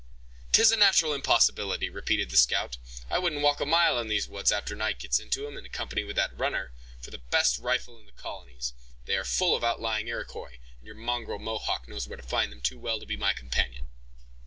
"'Tis a natural impossibility!" repeated the scout; "I wouldn't walk a mile in these woods after night gets into them, in company with that runner, for the best rifle in the colonies. They are full of outlying Iroquois, and your mongrel Mohawk knows where to find them too well to be my companion."